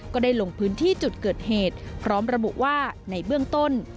ก็ได้ลงพื้นที่จุดเกิดเหตุพร้อมระบุว่าในเบื้องต้น